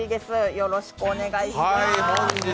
よろしくお願いします。